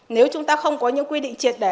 nếu chúng ta không có những quy định triệt đẻ